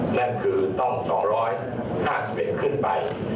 นั่นคือต้อง๒๕๑ขึ้นไป